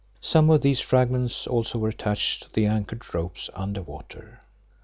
Some of these fragments also were attached to the anchored ropes under water.